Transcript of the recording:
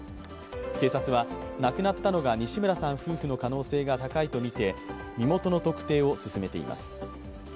警察は、亡くなったのが西村さん夫婦の可能性が高いとみて身元の特定を進めています。